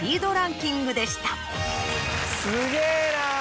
すげぇな！